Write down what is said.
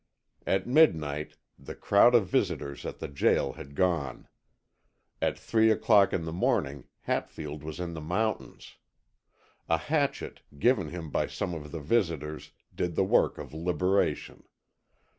At midnight the crowd of visitors at the jail had gone. At three o'clock in the morning Hatfield was in the mountains. A hatchet, given him by some of the visitors, did the work of liberation.